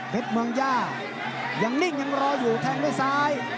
เมืองย่ายังนิ่งยังรออยู่แทงด้วยซ้าย